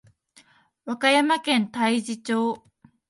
和歌山県太地町